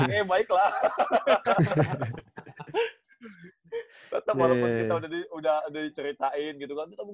tetep walaupun kita udah diceritain gitu kan